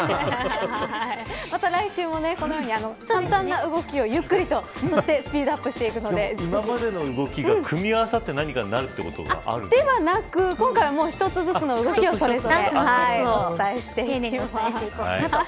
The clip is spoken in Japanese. また来週もこのように簡単な動きをゆっくりとそしてスピードアップしていくので今までの動きが組み合わさって何かになるということがではなく今回は一つずつの動きをやっていこうかなと。